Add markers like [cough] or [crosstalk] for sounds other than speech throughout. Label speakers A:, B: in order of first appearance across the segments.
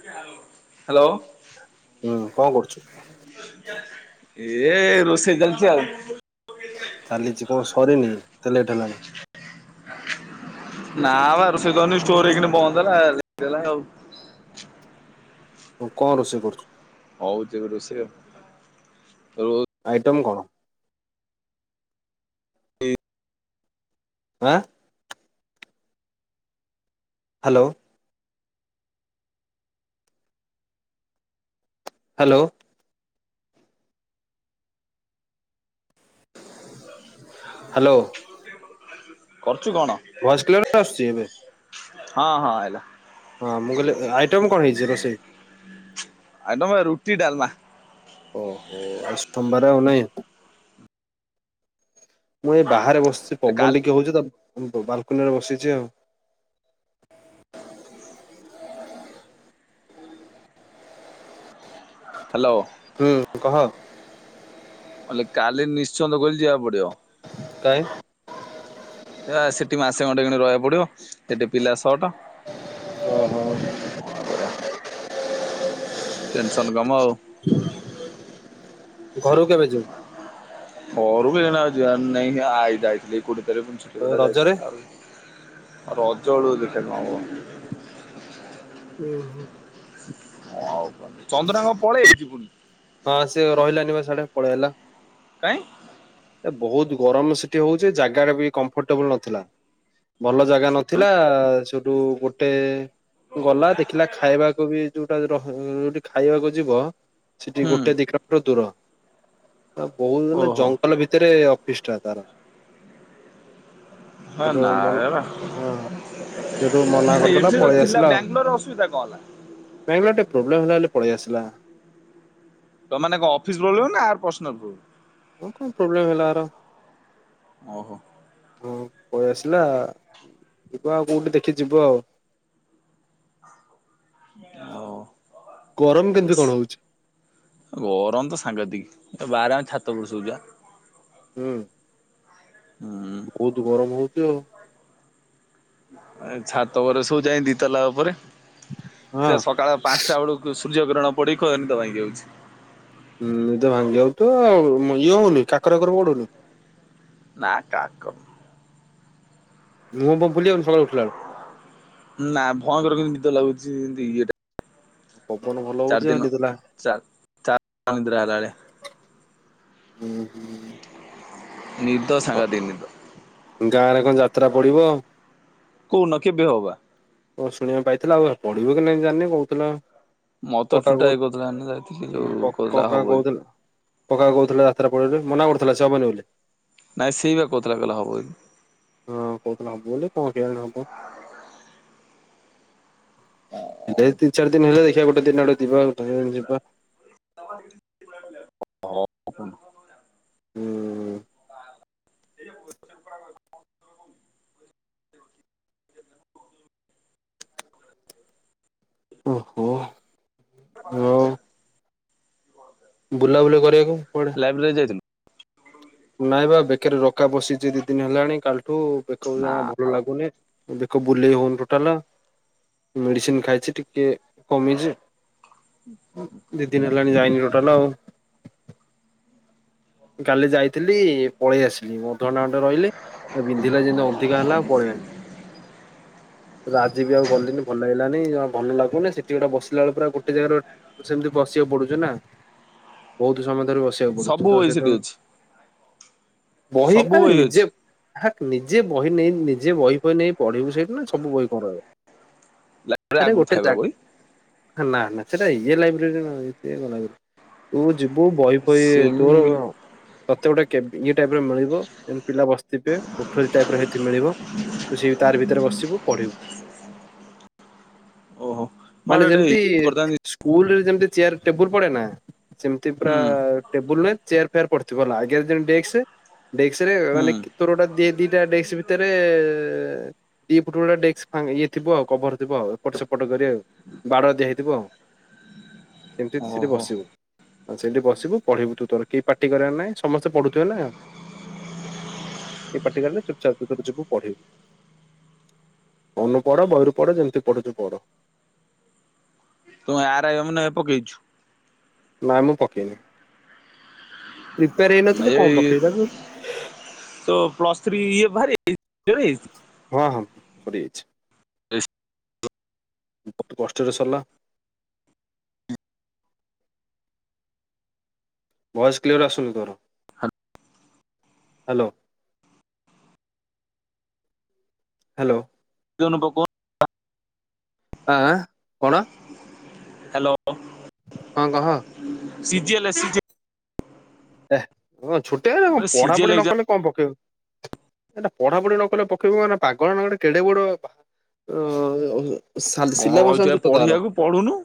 A: Hello.
B: ହୁଁ କଣ କରୁଛୁ?
A: ଏ ରୋଷେଇ ଚାଲିଛି ଆଉ।
B: ଚାଲିଛି କଣ ସରିନି ଏତେ ଲେଟ୍ ହେଲାଣି?
A: ନା ବା ରୋଷେଇି କରିନି। ଷ୍ଟୋର ଏଇକିନା ବନ୍ଦ ହେଲା ଲେଟ ହେଲା ଆଉ।
B: ହଁ କଣ ରୋଷେଇ କରୁଛୁ?
A: ହଉଛି ଏବେ ରୋଷେଇ ଆଉ ରୋ
B: ଆଇଟମ୍ କଣ? ଆଁ। ହ୍ୟାଲୋ। ହ୍ୟାଲୋ। ହ୍ୟାଲୋ।
A: କରୁଛୁ କଣ?
B: ଭଏସ୍ କ୍ଲିଅର ଆସୁଛି ଏବ଼େ?
A: ହଁ ହଁ ଆଇଲା।
B: ହଁ ମୁଁ କହିଲି ଆଇଟମ୍ କଣ ହେଇଛି ରୋଷେଇ?
A: ଆଟମ ଆ ରୁଟି ଡାଲମା
B: ଓହୋ ସ୍ତୋବାର ଆଉ ନାହିଁ। ମୁଁ ଏ ବାହାରେ ବସିଛି ପବନ
A: କାଲି
B: ଟିକେ ହଉଛି ତ ବାଲକୁନି ରେ ବସିଛି ଆଉ।
A: ହ୍ୟାଲୋ।
B: ହୁଁ କହ।
A: ନଲେ କାଲି ନିଶ୍ଚନ୍ଦ କହିଚି ଯିବାକୁ ପଡିବ।
B: କହିଁ?
A: ଅ ସେଠି ମାସେ ଖଣ୍ଡେ କିନା ରହିବାକୁ ପଡିବ ସେଠି ପିଲା ସଟ୍।
B: ଓହୋ।
A: କଣ କରିବା ଟେନସନ କାମ ଆଉ।
B: ଘରୁ କେବେ ଯିବୁ?
A: ଘରକୁ ଏଇନା ଯିବାର ନାଇ ଆଇ ଯାଥିଲଥିଲେ କତରେ
B: ରଜରେ?
A: ଯଥିଲା [unintelligible] ରଜ ବେଳକୁ ଦେଖିବା କଣ ହେବ।
B: ହୁଁ।
A: କ ଆଉ କ ଚନ୍ଦନ ହକ ପଳେଇବେ କି ପୁଣି?
B: ହଁ ସେ ରହିଲାନି ବା ସେଆଡେ ପଳେଇ ଆଇଲା।
A: କାଇଁ?
B: ଏ ବହୁତ ଗରମ ସେଠି ହଉଛି ଜାଗା ବି କମ୍ଫର୍ଟେବୁଲୁ ନଥିଲା। ଭଲ ଜାଗା ନଥିଲା ସେଠୁ ଗୋଟେ ଗଲା ଦେଖିଲା ଖାଇବାକୁ ବି ଯୁ ର ଯୁ ଖାଇବାକୁ ଯିବ ସେଠି
A: ହୁଁ
B: ଗୋଟେ ଦିିକିଲୋମିଟର ଦୂର। ତାକୁ କହୁଥିଲେ
A: ଓହୋ।
B: ଜଙ୍ଗଲ ଭିତରେ ଅଫିସ ଟା ତାର।
A: ହଁ
B: ସେଟୁ ମନ
A: ନାଇଁ ବା
B: ହଁ। ସେଠୁ ମନା କରିଦେଲା
A: ଏଠି ତ
B: ପଳେଇ
A: ଥିଲା
B: ଆସିଲା ଆଉ।
A: ବାଙ୍ଗାଲୋରରେ ଅସୁବିଧା କଣ ହେଲା?
B: ବାଙ୍ଗଲୋରେ ପ୍ରୋବ୍ଲେମ୍ ହେଲା ବୋଲି ପଳେଇ ଆସିଲା।
A: ତମେ ମାନେ କଣ ଅଫିସ ପଳେଇଲାଣି ନା ଆ ପର୍ସନାଲ୍।
B: ଓ କଣ ପ୍ରୋବ୍ଲେମ ହେଲା ଆର।
A: ଓହୋ।
B: ହଁ ପଳେଇସିଲା ଯିବାଳ ଆଉ କୋଉଠି ଦେଖିକି ଯିବ ଆଉ।
A: ହଉ।
B: ଗରମ କେମିତି କଣ ହଉଛି?
A: ଗରମ ତ ସାଙ୍ଗତିକି କି ବାରେ ଆମେ ଛାତ ଉପରେ ଶୋଉଛୁ ବା।
B: ହୁଁ।
A: ହୁଁ।
B: ବହୁତ ଗରମ ହଉଛି ଆଉ।
A: ଛାତ ଉପରେ ଶୋଉଛି ଦିତାଲା ଉପରେ
B: ହଁ
A: ସେ ସକାଳ ପାଞ୍ଚ ଟା ବେଳକୁ ସୂର୍ଯ୍ୟ କିରଣ ପଡ଼ିକି ନିଦ ଭାଙ୍ଗି ଯାଇଛି।
B: ହୁଁ ଏ ତ ଭାଙ୍ଗି ଯଉ ତ ଆଉ ଇଏ ହଉନି କାକର ଫାକର ପଢଡୁନି?
A: ନା କାକ
B: ମୁହଁ ଫୁଅ ଫୁଲିଯାଉ ନି ସକାଳୁ ଉଠିଲା ବେଳୁ।
A: ନା ଭୟଙ୍କର କେମତି ନିଦ ଲାଗୁଛି ଏମତି ଇଏଟା।
B: ପବନ ଭଲ
A: ଚାରି
B: ହଉଛି
A: ଦିନ
B: ଆଉ ନିଦ ଲା
A: ଚା ଚା ଅନିଦ୍ରା ହେଲା ଭଳିଆ। ନିଦ
B: ହଁ
A: ସାଙ୍ଘାତିକ ନିଦ।
B: ଗାଁରେ କଣ ଯାତ୍ରା ପଡିବ?
A: କଉନ କେବେ ହବ ବା?
B: ଓ ଶୁଣିବାକୁ ପାଇଥିଲା ଆଉ ପଢିବ କି ନାଇ ଜାଣିନି କହୁଥିଲା
A: ମତେ
B: କକା କହୁ
A: ଟୁଟାଏ କହୁଥିଲା ଯାଇଥିଲି ଯୋଉ କହୁଥିଲା ହବ
B: କକା
A: ବୋଲି।
B: କହୁଥି କକା କହୁଥିଲେ ଯାତ୍ରା ପଡିବ ବୋଲି ମନା କରୁଥିଲା ସେ ହେବନି ବୋଲି।
A: ନାଇଁ ସେଇ ବା କହୁଥିଲା କହିଲା ହେବ ବୋଲି।
B: ହଁ କହୁଥିଲା ହବ ବୋଲି। କଣ କେଜାଣି ହବ? ଦେ ତିନି ଚାରି ଦିନ ହେଲେ ଦେଖିଆ ଗୋଟେ ଦିନ ଆଡେ ଯିବା ଗୋଟେ ଦିନ ଯିବା।
A: [unintelligible] ହଁ।
B: ହୁଁ।
A: [unintelligible]
B: ଓହୋ। ଆଉ
A: [unintelligible]
B: ବୁଲାବୁଲି କରିବାକୁ କୁଆଡେ।
A: ଲାଇବ୍ରେରୀ ଯାଇଥିଲୁ।
B: ନାଇବା ବେକରେ ରକା ପସିଛି ଦି ଦିନ ହେଲାଣି କାଲିଠୁ ବେକକୁ
A: ନା
B: ଜମା ଭଲ ଲାଗୁନି। ବେକ ବୁଲେଇ ହଉନି ଟୋଟାଲ ମେଡିସିନ ଖାଇଛି ଟିକେ କମିଛି। ଦି ଦିନ ହେଲାଣି ଯାଇନି ଟୋଟାଲ ଆଉ। କାଲି ଯାଇଥିଲି ପଳେଇ ଆସି ଦି ଅଧଘଣ୍ଟା ଖଣ୍ଡେ ରହିଲି ବିନ୍ଧିଲା ଯେମିତି ଅଧିକା ହେଲା ପଳେଇ ଆଇଲି।
A: ହ [inaudible]
B: ଆଜି ବି ଆଉ ଗଲିନି ଭଲ ଲାଗିଲାନି ଭଲ ଲାଗୁନି ସେଠି ଗୋଟେ ବସିଲା ବେଳକୁ ପୁରା ଗୋଟେ ଜାଗାର ସେମିତି ବସିବାକୁ ପଡୁଛି ନା ବହୁତ ସମୟ ଧରି ବସିବାକୁ ପଡୁଛିୁ
A: ସବୁ
B: ତ
A: ବହି
B: ସେ
A: ସେଠି
B: ହୁଁ
A: ଅଛି
B: ବହି
A: ସବୁ
B: ଆରେ
A: ଅଛି।
B: ନିଜେ ହାକ୍ ନିଜେ ବହି ନେଇ ନିଜେ ବହି ଫଇ ନେଇ ପଢିବୁ ସେଇଠି ନା ସବୁ ବହି କଁ ରହିବ।
A: ଲାଇବ୍ରେରୀ
B: ଆରେ
A: ଆଗରୁ
B: ଗୋଟେ
A: ଥାଏ ବା
B: ଜା
A: ବହି
B: ନା ନା ସେଇଟା ଇଏ ଲାଇବ୍ରେରୀ ନା। [inaudible] ତୁ ଯିବୁ ବହି ଫଇ ତୋର
A: ସେମି
B: କଁ। ତତେ ଗୋଟେ କେ ଇଏ ଟାଇପ ର ମିଳିବ ଯେମିତି ପିଲା ବସିଥିବେ କୋଠରୀ ଟାଇପର ହେ ମିଳିବ ତୁ ସେ ତାରି ଭିତେରେ ବସିବୁ ପଢିବୁ।
A: ଓହୋ ମୋର
B: ମାନେ
A: ଗୋଟେ
B: ଯେମିତି।
A: ଇଏ କରିଥାନ୍ତି
B: ସ୍କୁଲରେ ଯେମତି ଚେୟାର ଟେବୁଲ ପଡେ ନା ସେମିତି ପୁରା
A: ହୁଁ
B: ଟେବୁଲ ହୁଏ ଚେୟାର ୟାର ପଡିଥିବ ହେଲା ଆଗରେ ଯେମିତି ଡେକ୍ସ ଡେକ୍ସରେ ମାନେ
A: ହୁଁ
B: ତୋର ଗୋଟା ଦି ଦିଟା ଡେକ୍ସ ଭିତରେ ଦି ପଟ ଗୁଡା ଡେକ୍ସ ଫା ଇଏ ଥିବ କଭର ଥିବ ଆଉ। ଏପଟ ସେପଟ କରି ଆଉ ବାଡ଼ ଦିଆ ହେଇଥିବ ଆଉ ସେମିତି ତୁ ସେଠି
A: ଓହୋ
B: ବସିବୁ। ସେଇଠି ବସିବୁ ପଢିବୁ ତୁ ତୋର କେହି ପାଟି କରିବାର ନାଇଁ ସମସ୍ତେ ପଢୁଥିବେ ନା। କେହି ପାଟିକଲେ ଚୁପ୍ ଚାପ୍ ତୁ ତୋର ଯିବୁ ପଢିବୁ। ମନୁକୁ ପଢ ବହିରୁ ପଢ ଯେମିତି ପଢୁଛୁ ପଢ।
A: ତୁ ଆରାଇ ଅମିନ ରେ ପକେଇଛୁ?
B: ନାଇଁ ମୁଁ ପକେଇନି ପ୍ରିପେୟାର ହେଇନଥିଲି କଣ
A: ଏଇ
B: ପକେଇବି ତାକୁ।
A: ତୋ ପ୍ଲସ ଥ୍ରୀ ଇଏ ଭାରି [inaudible]
B: ହଁ ହଁ ସରି ଯାଇଛି।
A: [inaudible]
B: ବହୁତ କଷ୍ଟରେ ସରିଲା। ଭଏସ୍ କ୍ଲିଅର ଆସୁନି ତୋର ହ୍ୟାଲୋ। ହ୍ୟାଲୋ।
A: ବିହନ
B: ଆଁ କଣ।
A: ହ୍ୟାଲୋ।
B: ହଁ କହ।
A: ସିଜିଏଲ୍ ଆସିଛି।
B: ହେ ଇଏ କଣ ଛୋଟିଆ କଥା ପଢା
A: ସିଜିଏଲ
B: ପଢି ନ
A: ଏକ୍ଜାମ
B: କଲେ କଣ ପକେଇବୁ। ଏଟା ପଢାପଢି ନ କଲେ ପକେଇ ବୁ ପାଗଳ ନା ଗୋଟେ କେଡେ ବଡ ସାଲ
A: କଣ
B: ସିଲାବସ
A: ରହିଛୁ
B: ଆଣିଛୁ ତ ତାର।
A: ପଢିବାକୁ ପଢୁନୁ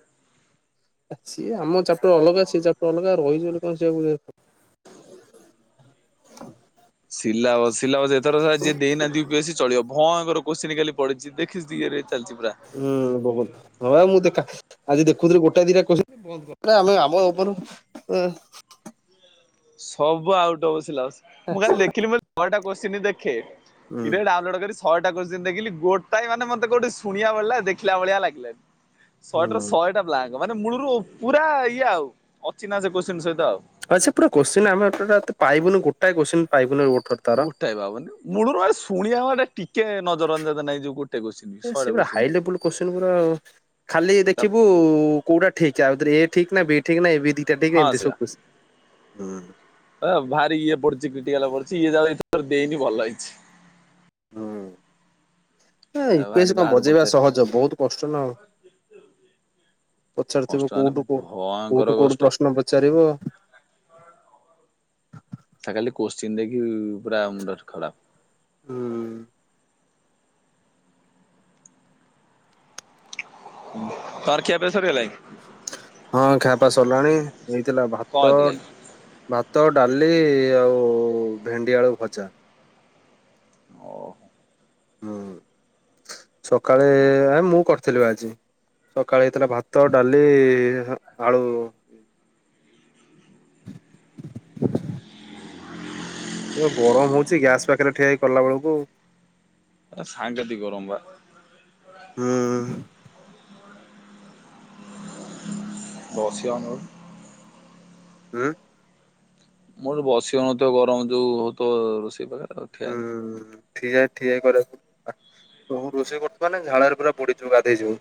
B: ସିଏ ଆମ ଚାପଟର ଅଲଗା ସେ ଚାପଟର ଅଲଗାଉ ରହିଛି ବୋଲି କଣ ସିଆକୁ [inaudible]
A: ସିଲାବସ ସିଲାବସ ଏଥର ସ ଯିଏ ଦେଇନାହାନ୍ତି ୟୁପିଏସି ଚଳିବ। ହଁ ଆଙ୍କର କ୍ଵସଚିନ କାଲି ପଡ଼ିଚି ଦେଖିଚି ଟିକେରେ ଚାଲିଚି ପୁରା।
B: ହୁଁ ବହୁତ ହଁ ମୁଁ ଦେଖା ଆଜି ଦେଖୁଥିଲି ଗୋଟା ଦିଟା କ୍ଵାସଚୀନ [unintelligible] ପକା ଆମେ ଆମ ଉପରୁ ଉ
A: ସବୁ ଆଉଟ ଅଫ୍ ସିଲାବସ ମୁଁ ଖାଲି ଦେଖିଲି ମୁଁ [unintelligible] ଛଅଟା କ୍ଵସଚିନ ଦେଖେ
B: ହୁଁ
A: ଇରେ ଡାଉନଲୋଡ କରି ସ ଛଅଟା କ୍ଵସଚିନ ଦେଖିଲି ଗୋଟାଏ ମାନେ ମତେ କୋଉଠି ଶୁଣିଆ ଵାଲା ଦେଖିଲା ଭଳିଆ ଲାଗିଲାନି। ଶହେଟା ରୁ
B: ହୁଁ
A: ଶହେଟା ବ୍ଲାଙ୍କ ମାନେ ମୂଳରୁ ପୁରା ଇଏ ଆଉ ଅଚିହ୍ନା ସେ କ୍ଵସଚିନ ସହିତ।
B: ଆ ସେ ପୁରା କୋଶ୍ଚିନ୍ ଆମେତ ପୁରା ପାଇବୁନୁ ଗୋଟାଏ କୋଶ୍ଚିନ୍ ପାଇବୁନୁ ଓରଠର।
A: ଗୋଟାଏ ବାବନେ ମୂଳରୁ ଆରେ ଶୁଣିଆ ମାନେ ଟିକେ ନଜର ଅନ୍ଦାଜ ନାହିଁଯେ ଗୋ
B: ଏ ସେ ପୁରା ହାଇ ଲେବୁଲ କୋସଚିନ ଗୁରା-ଆ-ଆ ଖାଲି ଦେଖିବୁ-ଉ-ଉ-ଉ କୋଉଟା ଠିକ୍ ଆ ଭିତରେ ଏ ଠିକ୍ ନା ବି ଠିକ୍ ନା ଏ ବି ଦି ଟା ଠିକ୍
A: ହଁ
B: ଏମିତି ସବୁ କୋସଚିନ।
A: ହ ଭାରି ଇଏ ପଡିଛି କ୍ରିଟିକାଲ ପଡ଼ିଚି ଇଏ ଯା ଏଥର ଦେଇନି ଭଲ ହେଇଚି।
B: ହୁଁ। ଏ-ଏ-ଏ ୟୁ ପି
A: ଭାରି
B: ଏସ୍ କଣ
A: ବାହାରୁ
B: ବଜେଇବା
A: ପଡିଥାଏ।
B: ସହଜ ବହୁତ କଷ୍ଟ ନା।
A: କଷ୍ଟ
B: ପଚାରୁଥିବୁ
A: ମାନେ
B: କୋଉଠୁ କୋ
A: ଭୟଙ୍କର
B: କୋଉଠୁ କୋଉଠୁ
A: କଷ୍ଟ
B: ପ୍ରଶ୍ନ ପଚାରିବ।
A: ହେଟା ଖାଲି କୋସଚିନ ଦେଖି-ଇ-ଇ-ଇ ପୁରା ମୁଣ୍ଡ ଖରାପ୍।
B: ହୁଁ।
A: ତୋର ଖିଆ ପିଆ ସରିଗଲାଇ?
B: ହଁ ଖିଆ ପିଆ ସରିଲାଣି ହେଇଥିଲା
A: କଣ
B: ଭାତ
A: ହେଇଥିଲା କି
B: ଭାତ, ଡାଲି ଆଉ-ଉ-ଉ-ଉ ଭେଣ୍ଡି ଆଳୁ ଭଜା।
A: ହଉ।
B: ସକାଳେ-ଏ-ଏ-ଏ ଆ ମୁଁ କରିଥିଲି ବା ଆଜି। ସକାଳେ ହେଇଥିଲା ଭାତ, ଡାଲି-ଇ-ଇ-ଇ ଆଳୁ। [inaudible] ପୁରା ଗରମ ହଉଛି ଗ୍ୟାସ ପାଖରେ ଠିଆ ହେଇ କଲା ବେଳକୁ
A: ସାଙ୍ଘାତିିକ ଗରମ ବା।
B: ହୁଁ।
A: [unintelligible]
B: ହୁଁ।
A: ମୋର ବସି ହଉନଥିବ ଗରମ ଯୋଉ-ଉ-ଉ ହୋଉଥିବ-ଅ-ଅ ରୋଷେଇ ଘରେ ଆଉ ଠିଆ
B: ହୁଁ ଠିଆ ଠିଆ କରି [unintelligible] ମୁଁ ରୋଷେଇ କରୁଥିବ ମାନେ ଝାଳରେ ପୁରା ବୁଡ଼ିଥିବୁ ଗାଧେଇ ଯିବ।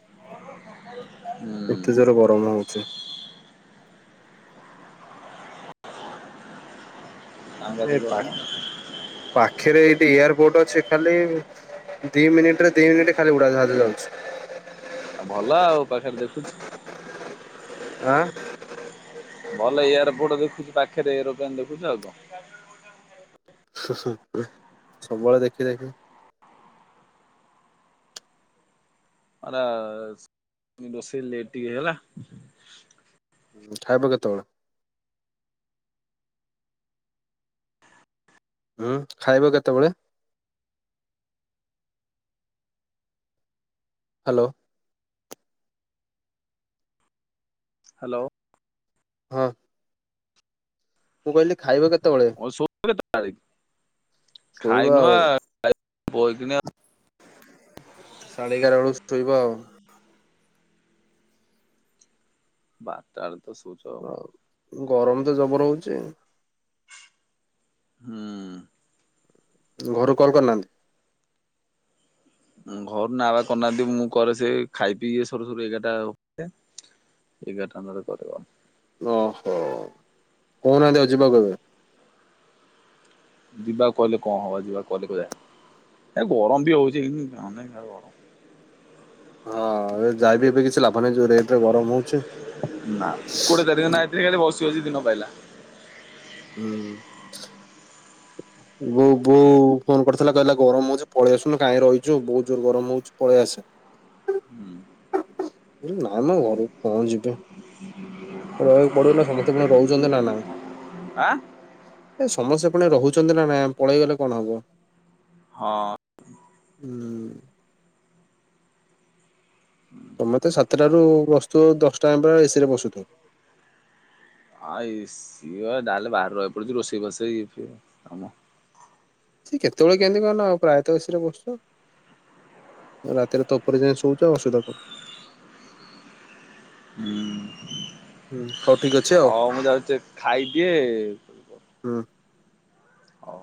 A: ହୁଁ।
B: ଏତେ ଜୋରେ ଗରମ ହଉଚି। ଏ
A: ସାଙ୍ଘାତିକ
B: ପା
A: ଗରମ।
B: ପାଖରେ ଏଇଠି ଏୟାରପୋର୍ଟ ଅଛି ଖାଲି-ଇ-ଇ-ଇ ଦି ମିନିଟ ରେ ଦି ମିନିଟ୍ ଖାଲି ଉଡାଜାହାଜ ଯାଉଚି।
A: ଆ ଭଲ ଆଉ ପାଖରେ ଦେଖୁଛୁ।
B: ଅ।
A: ଭଲ ଏୟାର ପୋର୍ଟ ଦେଖୁଚୁ ପାଖରେ ଏରୋପ୍ଲେନ୍ ଦେଖୁଚୁ ଆଉ କଣ।
B: ସବୁବେଳେ ଦେଖି ଦେଖି
A: ଆରେ-ଏ-ଏ-ଏ ରୋଷେଇ ଲେଟ୍ ଟିକେ ହେଇଗଲା।
B: ଖାଇବ କେତେ ବେଳେ? ଖାଇବ କେତେବେଳେ? ହ୍ୟାଲୋ।
A: ହ୍ୟାଲୋ।
B: ହଁ। ମୁଁ କହିଲି ଖାଇବ କେତେବେଳେ?
A: [unintelligible]
B: ଶୋଇବା
A: ଖାଇନୁ ବା
B: ଆଉ।
A: ବଇକିନି
B: ସାଢେ ଏଗାର ବେଳକୁ ଶୋଇବ ଆଉ।
A: ବାରଟାଳୁ ତ ଶୋଉଚୁ।
B: ତ ଗରମ ତ ଜବର ହଉଚି।
A: ହୁଁ ଉ।
B: ଘରୁ କଲ୍ କରିନାହାନ୍ତି?
A: ଘରୁ ନାବା କରିନାହାନ୍ତି, ମୁଁ କରେ ସେ ଖାଇ ପିଇ ସରୁ ସରୁ ଏଗାରଟା ହୁଏ। ଏଗାରଟା [unintelligible]
B: ଓହୋ, କହୁନାହାନ୍ତି ଆ ଯିବା କେବେ?
A: ଯିବାକୁ କହିଲେ କଣ ହବ, ଯିବାକୁ କହିଲେ [unintelligible] ଗରମ ବି ହଉଛି [unintelligible]
B: ହଁ ଏ ଯାଇବି ଏବେ କିଛି ଲାଭ ନାହିଁ ଯୋଉ ରେଟ ରେ ଗରମ ହଉଛି।
A: ନା କୋଟେ [unintelligible] ଖାଲି ବସି ବସି ଦିନ ପାଇଲା।
B: ହୁଁ। ବୋଉ ବୋଉ ଫୋନ କରିଥିଲା କହିଲା- ଗରମ ହଉଛି ପଳେଇ ଆସୁନୁ, କାହିଁ ରହିଛୁ? ବହୁତ ଜୋର ଗରମ ହଉଛି, ପଳେଇ ଆସେ।
A: ହୁଁ।
B: ନାଇଁ ମ ଘରକୁ କଣ ଯିବା। ରହିବାକୁ ପଡିବ ନା, ସମସ୍ତେ ପୁଣି ରହୁଛନ୍ତି ନା ନାଇଁ।
A: ଆଁ
B: ଏ ସମସ୍ତେ ପୁଣି ରହୁ ଛନ୍ତି ନା ନାଇଁ, ଆମେ ପଳେଇଗଲେ କଣ ହବ,
A: ହଁ।
B: ହୁଁ। ତମେ ତ ସାତଟାରୁ ବସୁଥିବ ଦଶଟା ଆଙ୍କେ ପୁରା ଏସି ରେ ବସୁଥ।
A: ଆଁ ଏ ସିଏ ଯାହେଲେ ବାହାରେ ରହିବାକୁ ପଡୁଛି, ରୋଷେଇ ବସେଇ ଇଏ ଫିଏ କାମ।
B: ସେ କେତେବେଳେ କେମତି କଣ ନା ଆ ପ୍ରାୟତଃ ଏ ସି ରେ ବସୁ। ରାତିରେ ତ ଉପରେ ଯାଇଁ ଶଉଚୁ ଆଉ ଅସୁବିଧା କଣ?
A: ହୁଁ
B: ହୁଁ, ହଉ ଠିକ୍ ଅଛି ଆଉ।
A: ହଉ ମୁଁ ଯାଉଛି ଖାଇଦିଏ।
B: ହୁଁ।
A: ହଉ।